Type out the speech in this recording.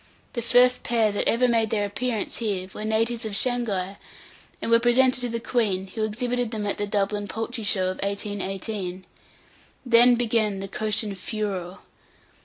The first pair that ever made their appearance here were natives of Shanghai, and were presented to the queen, who exhibited them at the Dublin poultry show of 1818. Then began the "Cochin" furor.